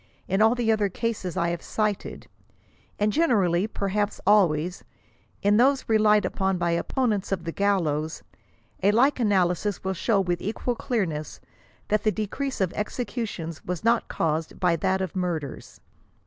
In all the other cases I have cited, and generally, perhaps always, in those relied upon by opponents of the gallows, a like analysis will show with equal clearness that the decrease of executions was not caused by that of murders.